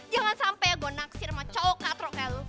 jangan sampai gue naksir sama cowok katrok kayak lo